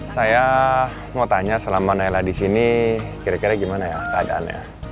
saya mau tanya selama naila di sini kira kira gimana ya keadaannya